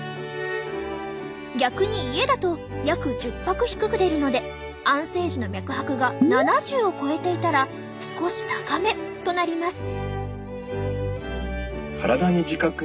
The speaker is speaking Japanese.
逆に家だと約１０拍低く出るので安静時の脈拍が７０を超えていたら少し高めとなります。